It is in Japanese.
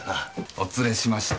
お連れしました。